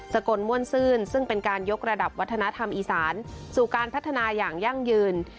กลม่วนซื่นซึ่งเป็นการยกระดับวัฒนธรรมอีสานสู่การพัฒนาอย่างยั่งยืน